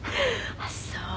「あっそう。